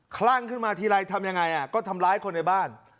คลั่งขึ้นมาทีไรทำยังไงก็ทำร้ายคนในบ้าน